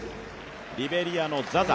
リベリアのザザ。